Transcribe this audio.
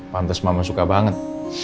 pantes mama suka banget